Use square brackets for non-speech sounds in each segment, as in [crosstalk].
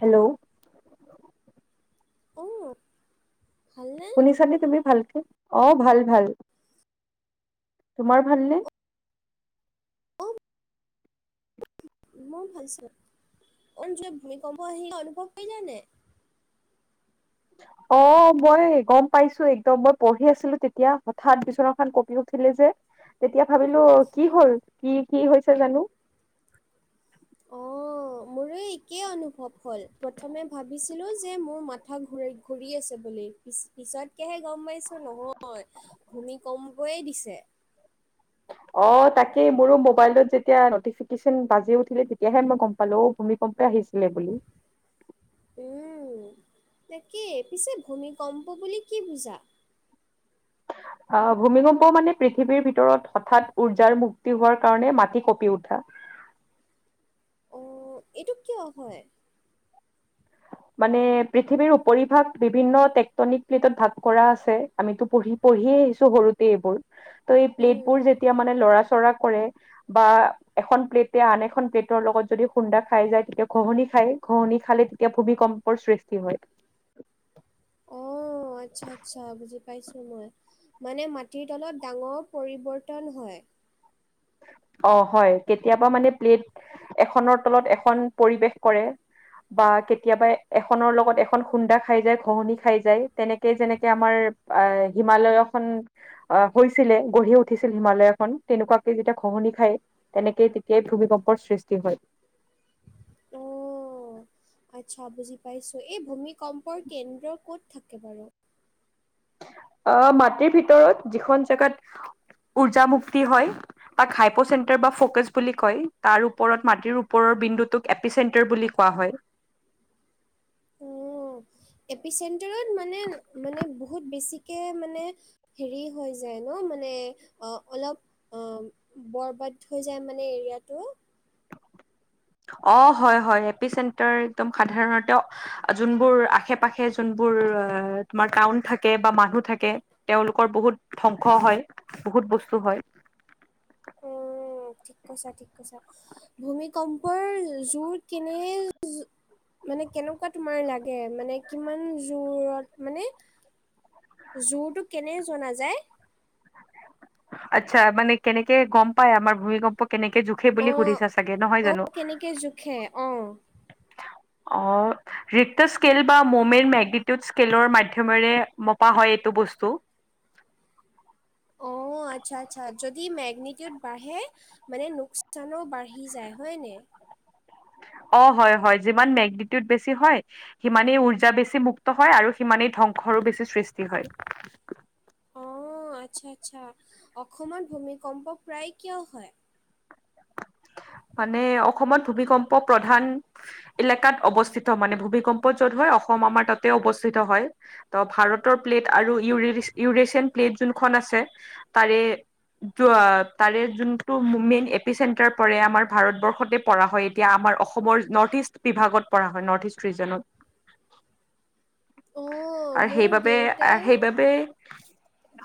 Hello অ ভাল নে শুনিছানে তুমি ভালকে অ ভাল ভাল তোমাৰ ভালনে? অ', মই ভালছা অ জ ভূমিকম্প আহি অনুভৱ কৰিলোনে অ মই গম পাইছো একদম মই পঢ়ি আছিলো তেতিয়া হঠাৎ বিচনা খন কপি উঠিলে যে তেতিয়া ভাবিলো কি হল কি কি হৈছে জানো অ অঁ মোৰ একেই অনুভৱ হ'ল প্ৰথমে ভাবিছিলোঁ যে মোৰ মাথা ঘূ ঘূৰি আছে বুলি পিছ পিছতকৈহে গম পাইছোঁ নহয় ভূমি কমকৈয়ে দিছে অ তাকেই মোৰো মোবাইলত যেতিয়া নটিফিকেশ্যন বাজি উঠিলে তেতিয়াহে মই গম প পালে ভূমিকম্পে আহিছিলে বুলি তাকেই পিছে ভূমিকম্প বুলি কি বুজা আহ ভূমিকম্প মানে পৃথিৱীৰ ভিতৰত হঠাৎ উৰ্জাৰ মুক্তি হোৱাৰ কাৰণে মাটি কঁপি উঠা অ এইটো কিয় হয় মানে পৃথিৱীৰ উপৰিভাগ বিভিন্ন টেক্টনিক ক্লটত ভাগ কৰা আছে আমিতো পঢ়ি পঢ়িয়ে আহিছো সৰুতেই এইবোৰ ত এই প্লেট উম, বোৰ যেতিয়া মানে লৰা চৰা কৰে বা এখন প্লেটে আন এখন প্লেটৰ লগত যদি খুন্দা খাই যায় তেতিয়া ঘহনি খায় ঘহনি খালে এতিয়া ভূমিকম্পৰ সৃষ্টি হয়। অ আচ্ছা আচ্ছা বুজি পাইছো মই মানে মাটিৰ তলত ডাঙৰ পৰিৱৰ্তন হয়। অ হয় কেতিয়াবা মানে প্লেট এখনৰ তলত এখন পৰিৱেশ কৰে বা কেতিয়াবা এখনৰ লগত এখন খুন্দা খাই যায় ঘহনি খাই যায় তেনেকে যেনেকে আমাৰ আহ হিমালয় খন আহ হৈছিলে গঢ়ি উঠিছিল হিমালয় খন তেনেকুৱা যেতিয়া খহনি খায় তেনেকে তেতিয়াই ভূমিকম্পৰ সৃষ্টি হয়। অ', [inaudible] আচ্ছা বুজি পাইছোঁ এই ভূমিকম্পৰ কেন্দ্ৰ ক'ত থাকে বাৰু আহ মাটিৰ ভিতৰত যিখন জেগাত উৰ্জা মুক্তি হয়। তাক হাইপ' চেন্টাৰ বা ফকাচ বুলি কয় তাৰ ওপৰত মাটিৰ ওপৰৰ বিন্দু টোক এপি চেণ্টাৰ বুলি কোৱা হয় এপি চেণ্টাৰত মানে মানে বহুত বেছিকে মানে হেৰি হৈ যায় ন মানে অ অলপ- অ বৰবাদ হৈ যায় মানে এৰিয়াাতটো। অ হয় হয় এপি চেণ্টাৰ একদম সাধাৰণতে যোনবোৰ আশে -পাশে যোনবোৰ তোমাৰ টাউন থাকে বা মানুহ থাকে। তেওঁলোকৰ বহুত ধ্বংস হয়। বহুত বস্তু হয়। উ ঠিক কৈছা ঠিক কৈছা। ভূমিকম্পৰ, জোৰ কিনে জো মানে কেনেকুৱা তোমাৰ লাগে মানে কিমান জোৰত মানে। জোৰটো কেনে জনা যায়। আচ্ছা মানে কেনেকে গম পাই আমাৰ ভূমিকম্প, কেনেকে যো- সেই বুলি অ', সুধিছা চাগে নহয় অ', জানো কেনেকে জোখে অ'। আহ হিখটিষ্ট স্কেল, বা মমেন্ত মেগনিটিউড স্কেলৰ, মাধ্যমেৰে মপা হয় এইটো বস্তু। অ আচ্ছা -আচ্ছা যদি মেগনিটিউড বাঢ়ে। মানে নুকচানো বাঢ়ি যায় হয়। নে অ হয় হয় যিমান মেগনিটিউড বেছি হয়। সিমানেই উৰ্জা বেছি মুক্ত হয়। আৰু সিমানেই ধ্বংসৰো বেছি সৃষ্টি হয়। অ আচ্ছা- আচ্ছা অসমত ভূমিকম্প, প্ৰায়ে কিয় হয়? মানে অসমত ভূমিকম্প, প্ৰধান এলেকাত অৱস্থিত মানে ভূমিকম্প, য'ত হয় অসম আমাৰ তাতে অৱস্থিত হয়। ত ভাৰতৰ, প্লেট আৰু ই ইউৰেছিয়ান, প্লেট যোনখন আছে। তাৰে তাৰে যোনটো মেইন এপিচেন তাৰ পৰে আমাৰ ভাৰতবৰ্ষতে, পৰা হয় এতিয়া আমাৰ অসমৰ নৰ্থ ইষ্ট, বিভাগত পৰা হয় নৰ্থ ইষ্ট ৰিজনত আৰু অ' মোৰ সেইবাবে দেউতাইও -সেইবাবে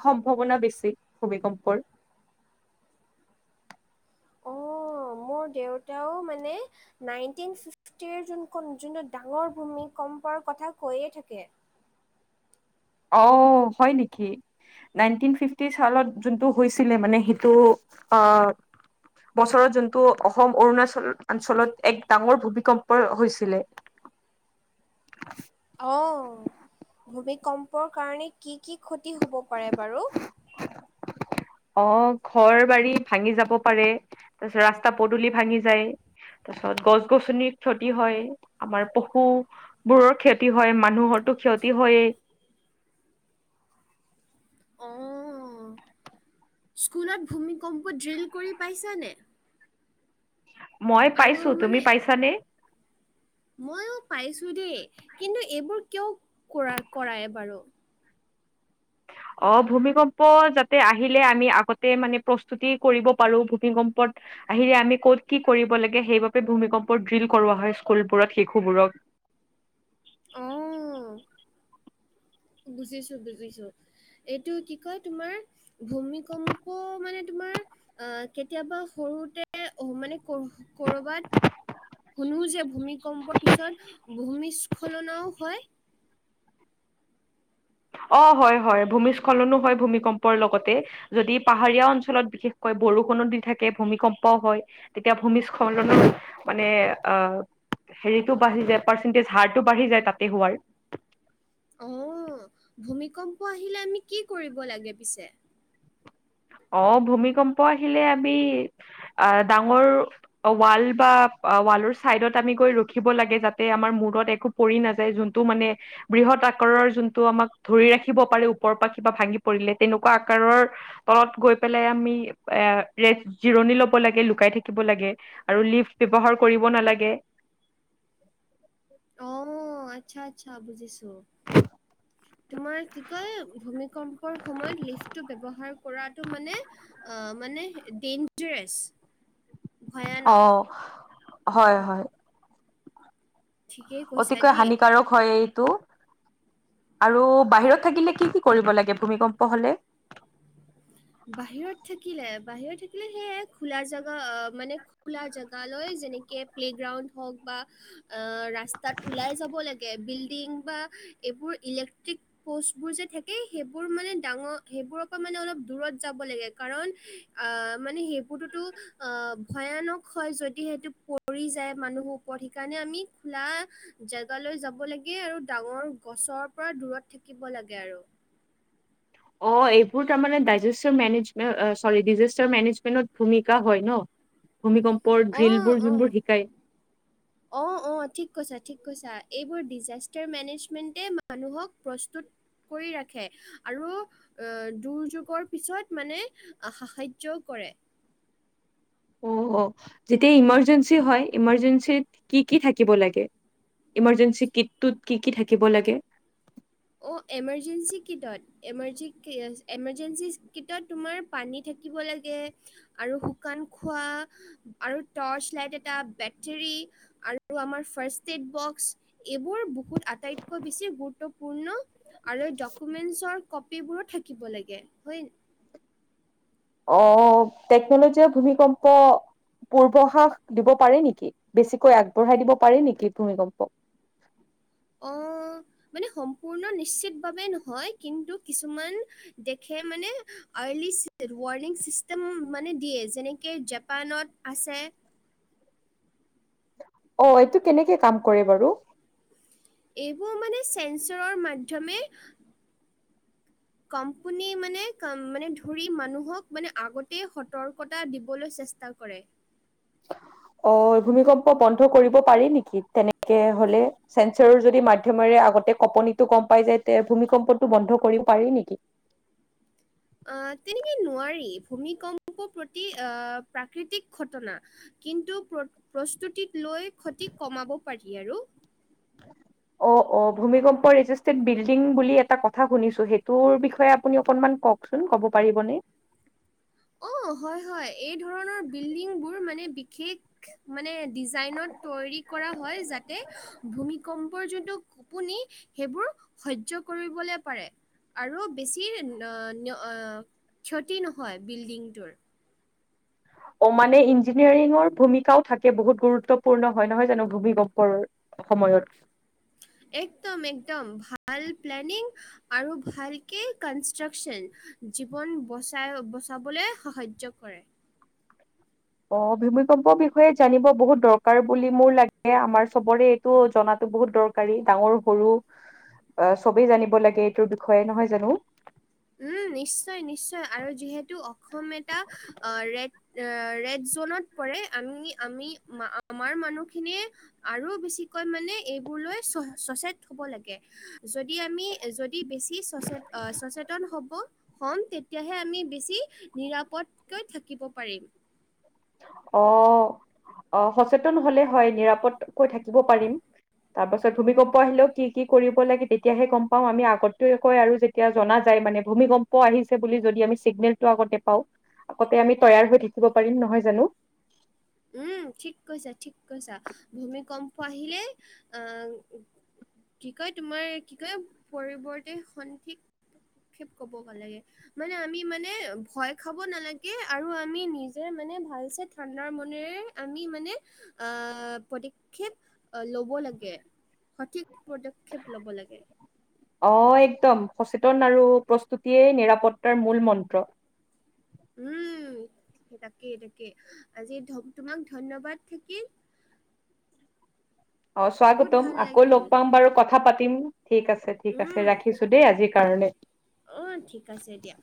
সম্ভাৱনা বেছি ভূমিকম্পৰ, [inaudible] অ' মোৰ দেউতাও, মানে- নাইনটিন ফিফটি ক যোনাখন যোনটো ডাঙৰ ভূমি কম্পৰ, কথা কৈয়ে থাকে! অ' হয় নেকি! নাইনটিন ফিফটি চালত যোনটো হৈছিলে মানে সেইটো! অ' বছৰত যোনটো অসম অৰুণাচল, অঞ্চলত এক ডাঙৰ ভূমিকম্প হৈছিলে? অ' ভূমিকম্পৰ কাৰণে কি কি ক্ষতি হ'ব পাৰে বাৰু? অ'ঘৰ, বাৰী ভাঙি যাব পাৰে! তাৰপিছত ৰাস্তা, পদূলি ভাঙি যায়? তাৰ পিছত গছ -গছনিৰ, ক্ষতি হয়। আমাৰ পশু, বোৰৰ ক্ষতি। ক্ষতি হয়। মানুহৰটো ক্ষতি হয়েই। অহ, স্কুলত ভূমিকম্প, ড্ৰিল কৰি পাইছানে। মই আৰু পাইছো। তুমি মানে পাইছানে। ময়ো পাইছো দেই। কিন্তু এইবোৰ কিয় কৰা কৰায় বাৰু। অহ, ভূমিকম্প, যাতে আহিলে আমি আগতে মানে প্ৰস্তুতি কৰিব পাৰো। ভূমিকম্পত আহিলে আমি কত কি কৰিব লাগে সেইবাবে ভূমিকম্প ড্ৰিল কৰোৱা হয়। স্কুলবোৰত শিশুবোৰক। অহ বুজিছো, বুজিছো এইটো কি কয় তোমাৰ। ভূমিকম্প মানে তোমাৰ। অহ, কেতিয়াবা সৰুতে মানে কৰবাত। শুনো যে ভূমিকম্পৰ, পিছত ভূমিস্খলনও, হয়। অ, হয়, হয়। ভূমিস্খলনো হয় ভূমিকম্পৰ লগতে। যদি পাহাৰীয়া অঞ্চলত বিশেষকৈ বৰষুণো দি থাকে ভূমিকম্পও হয়। তেতিয়া ভূমিস্খলনৰ মানে আ। হেৰিটো বাঢ়ি যায়। পাৰ্চেন্টেজ হাৰটো বাঢ়ি যায়, তাতে হোৱাৰ অ, ভূমিকম্প আহিলে আমি কি কৰিব লাগে পিছে। অ, ভূমিকম্প আহিলে আমি আ ডাঙৰ। অ ৱাল বা ৱালৰ চাইডত আমি গৈ ৰখিব লাগে যাতে আমাৰ মূৰত একো। পৰি নাযায় যোনটো মানে। বৃহৎ আকাৰৰ যোনটো আমাক ধৰি ৰাখিব পাৰে ওপৰ পা কিবা ভাঙি পৰিলে তেনেকুৱা আকাৰৰ। তলত গৈ পেলাই আমি ৰেষ্ট জিৰণি ল'ব লাগে, লুকাই থাকিব লাগে। আৰু লিফ্ট ব্যৱহাৰ কৰিব নালাগে। অ আচ্ছা, আচ্ছা বুজিছোঁ। [unintelligible] তোমাৰ কি কয় ভূমিকম্পৰ সময়ত লিফ্টটো ব্যৱহাৰ কৰাটো মানে। আ মানে ডেইঞ্জাৰছ। অ হয়, হয়। ঠিকেই কৈছা অতিকৈ দেই হানিকাৰক। হয় এইটো, আৰু বাহিৰত থাকিলে কি কি কৰিব লাগে ভূমিকম্প হলে? বাহিৰত থাকিলে, বাহিৰত থাকিলে সেইয়া খোলা জেগা অ মানে। খোলা জেগালৈ যেনেকে প্লেগ্ৰাউণ্ড হওক বা। অ ৰাস্তাত ওলাই যাব লাগে বিল্ডিং বা। এইবোৰ ইলেক্ট্ৰিক পষ্টবোৰ যে থাকে সেইবোৰ মানে ডাঙৰ সেইবোৰ অকমান অলপ দূৰত যাব লাগে কাৰণ আ মানে সেইবোৰতোতো অ ভয়ানক হয় যদি সেইটো। পৰি যায় মানুহৰ ওপৰত সেইকাৰণে আমি খোলা। জেগালৈ যাব লাগে, আৰু ডাঙৰ গছৰ পৰা দূৰত থাকিব লাগে আৰু। অ এইবোৰ তাৰমানে ডাইজেচৰ মেনেজমেট চৰি ডিজেষ্টাৰ মেনেজমেন্টত ভূমিকা হয় ন? ভূমিকম্পৰ অ, ড্ৰিলবোৰ অ। যোনবোৰ শিকায়। অ অ ঠিক কৈছা, ঠিক কৈছা, এইবোৰ ডিজাষ্টাৰ মেনেজমেণ্টে মানুহক প্ৰস্তুত। কৰি ৰাখে আৰু। দুৰ্যোগৰ পিছত মানে আসাহাৰ্য্যও কৰে। অ অ যেতিয়া ইমাৰ্জেঞ্চি হয় ইমাৰজেঞ্চিত কি কি থাকিব লাগে? ইমাৰ্জেঞ্চি কিটটোত কি কি থাকিব লাগে? অঁ এমাৰজেঞ্চি কিটত? এমাৰজিক এমাৰজেঞ্চি কিটত তোমাৰ পানী থাকিব লাগে। আৰু শুকান খোৱা, আৰু টৰ্চ লাইট এটা বেটৰী। আৰু আমাৰ ফাৰ্ষ্ট টেড বক্স এইবোৰ বহুত আটাইতকৈ বেছি গুৰুত্ব পূৰ্ণ আৰু ডকুমেন্টচৰ কপিবোৰো থাকিব লাগে হয়। অ অ টেকনলজিয়ে ভূমিকম্প। পূৰ্ব হ্ৰাস দিব পাৰে নেকি? বেছিকৈ আগবঢ়াই দিব পাৰি নেকি ভূমিকম্প? অ মানে সম্পূৰ্ণ নিশ্চিতভাৱে নহয়, কিন্তু কিছুমান। দেখে মানে আৰ্লি ৱাৰ্ণিং চিষ্টেম মানে দিয়ে যেনেকে জাপানত। আছে। অ এইটো কেনেকে কাম কৰে বাৰু? এইবোৰ মানে চেঞ্চৰৰ মাধ্যমে। [inaudible] কম্পোনী মানে-মানে ধৰি মানুহক মানে আগতেই সতৰ্কতা দিবলৈ চেষ্টা তা কৰে। অ', ভূমিকম্প বন্ধ কৰিব পাৰি নেকি, তেনেকে হ'লে? চেন্সৰৰ যদি মাধ্যমেৰে আগতে কঁপনিটো গম পাই যায়, তে ভূমিকম্পটো বন্ধ কৰিব পাৰি নেকি? অ', তেনেকে নোৱাৰি, ভূমিকম্প প্ৰতি-অ' প্ৰাকৃতিক ঘটনা। কিন্তু প্ৰচ-প্ৰস্তুতিত লৈ ক্ষতি কমাব পাৰি আৰু। অ' অ', ভূমিকম্প ৰেজিষ্টেড বিল্ডিং বুলি এটা কথা শুনিছোঁ, সেইটোৰ বিষয়ে আপুনি অকমান কওঁক। কওঁকচোন, ক'ব পাৰিবনে? অ', হয় হয়, এই ধৰণৰ বিল্ডিং বোৰ মানে বিশেষ মানে ডিজাইনত তৈয়াৰী কৰা হয়, যাতে ভূমিকম্পৰ যোনটো কঁপনি, সেইবোৰ সহ্য কৰিবলৈ পাৰে। আৰু বেছি ন-ন্য-অ' ক্ষতি নহয় বিল্ডিংটোৰ। অ', মানে ইঞ্জিনিয়াৰিঙৰ ভূমিকাও থাকে বহুত গুৰুত্বপূৰ্ণ হয়, নহয় জানো ভূমিকম্পৰ? সময়ত। একদম একদম, ভাল প্লেনিং আৰু ভালকেই কনষ্ট্ৰাকচন, জীৱন বচাই-বচাবলে সাহায্য কৰে। অ', ভূমিকম্পৰ বিষয়ে জানিব বহুত দৰকাৰ বুলি মোৰ লাগে, আমাৰ চবৰে এক টো জনাটো বহুত দৰকাৰী, ডাঙৰ সৰু অ' চবেই জানিব লাগে এইটোৰ বিষয়ে, নহয় জানো? উম, নিশ্চয় নিশ্চয় আৰু যিহেতু অসম এটা ৰেড এ ৰেড জনত পৰে, আমি-আমি-আমাৰ মানুহখিনিয়ে আৰু বেছিকৈ মানে এইবোৰ লৈ চ-চচেত হ'ব লাগে। যদি আমি যদি বেছি চচেত-অ'-চচেত তন হ'ব, হ'ম, তেতিয়াহে আমি বেছি নিৰাপদকৈ থাকিব পাৰিম। অ', অ' সচেতন হ'লে হয়, নিৰাপদকৈ থাকিব পাৰিম। তাৰ পাছত ভুমিকম্প আহিলেও কি কি কৰিব লাগে তেতিয়াহে গম পাওঁ, আমি আগতেও কয় আৰু যেত তিয়া জনা যায় মানে, ভূমিকম্প আহিছে বুলি যদি আমি চিগনেলটো আগতে পাওঁ আগতে আমি তৈয়াৰ হৈ থাকিব পাৰিম, নহয় জানো? উম, ঠিক কৈছা, ঠিক কৈছা, ভূমিকম্প আহিলে, অ' কি কয়, তোমাৰ কি কয়, পৰিৱৰ্তে [unintelligible] ক'ব লাগে। মানে আমি মানে ভয় খাব নালাগে আৰু আমি নিজে মানে ভাল চে ঠাণ্ডাৰ ম নেৰে আমি মানে, আ', পদক্ষেপ ল'ব লাগে। সঠিক পদক্ষেপ ল'ব লাগে। অ', একদম, সচেতন আৰু প্ৰস্তুতিয়ে নিৰাপত্তাৰ মূল মন্ত্ৰ। উম, তাকেই তাকেই, আজি ধ-তোমাক ধন্যবাদ থাকিল অ' বহুত স্বাগতম, ভাল আকৌ লাগিল লগ পাম বাৰু, কথা পাতিম। ঠিক আছে ঠিক উম আছে, ৰাখিছোঁ দেই আজিৰ কাৰণে। অ' ঠিক আছে দিয়া।